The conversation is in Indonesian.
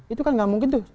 itu kan nggak mungkin tuh